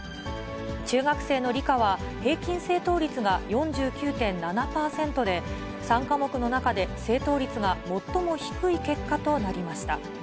中学生の理科は、平均正答率が４９．７％で、３科目の中で正答率が最も低い結果となりました。